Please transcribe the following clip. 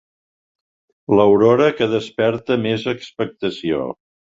L'aurora que desperta més expectació.